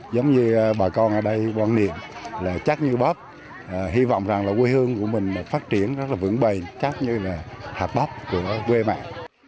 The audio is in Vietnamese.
giống như bà con ở đây quan niệm là chắc như bóp hy vọng rằng là quê hương của mình phát triển rất là vững bày chắc như là hạt bắp của quê mẹ